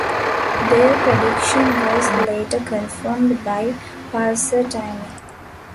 Their prediction was later confirmed by pulsar timing.